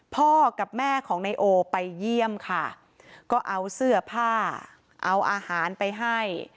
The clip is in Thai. พ่อกับแม่ของนายโอไปเยี่ยมค่ะก็เอาเสื้อผ้าเอาอาหารไปให้